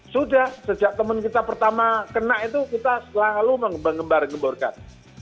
sudah sejak teman kita pertama kena itu kita selalu mengembar ngembarkan